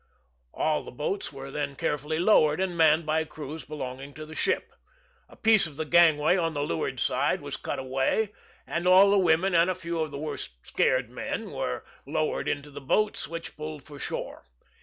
All the boats were then carefully lowered, and manned by crews belonging to the ship; a piece of the gangway, on the leeward side, was cut away, and all the women, and a few of the worst scared men, were lowered into the boats, which pulled for shore.